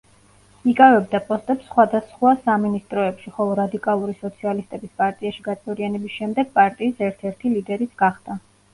იკავებდა პოსტებს სხვადასხვა სამინისტროებში, ხოლო რადიკალური სოციალისტების პარტიაში გაწევრიანების შემდეგ პარტიის ერთ-ერთი ლიდერიც გახდა.